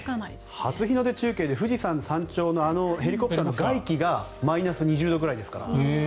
初日の出中継で富士山の撮影であのヘリコプターの外気がマイナス２０度ぐらいですから。